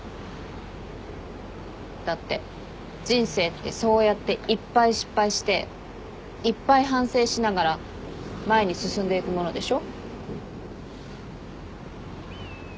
だって人生ってそうやっていっぱい失敗していっぱい反省しながら前に進んでいくものでしょ？